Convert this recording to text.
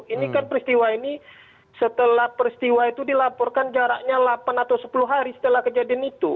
ini kan peristiwa ini setelah peristiwa itu dilaporkan jaraknya delapan atau sepuluh hari setelah kejadian itu